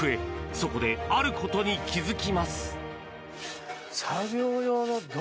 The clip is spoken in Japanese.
そこで、あることに気付きます。